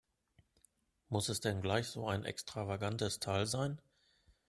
Muss es denn gleich so ein extravagantes Teil sein?